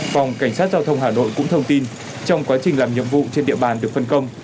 phòng cảnh sát giao thông hà nội cũng thông tin trong quá trình làm nhiệm vụ trên địa bàn được phân công